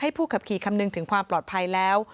ผู้ขับขี่คำนึงถึงความปลอดภัยแล้ว